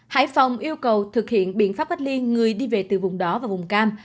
hải phòng yêu cầu thực hiện biện pháp cách ly người đi về từ vùng đó và vùng cam